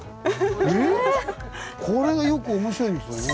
これがよく面白いんですよね。